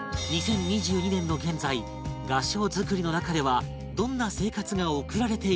２０２２年の現在合掌造りの中ではどんな生活が送られているのか？